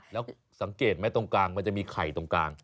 แล้วสังเกตไหมตรงกลางมันจะมีไข่ตรงกลาง